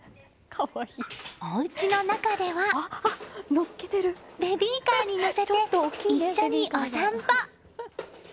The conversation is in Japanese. おうちの中ではベビーカーに乗せて一緒にお散歩。